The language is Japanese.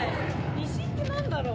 西って何だろう？